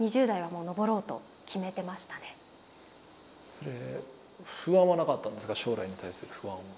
それ不安はなかったんですか将来に対する不安は。